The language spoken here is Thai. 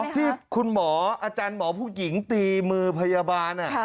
ที่คุณหมออาจารย์หมอผู้หญิงตีมือพยาบาล